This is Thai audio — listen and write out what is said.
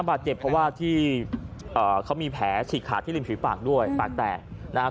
บาดเจ็บเพราะว่าที่เขามีแผลฉีกขาดที่ริมฝีปากด้วยปากแตกนะครับ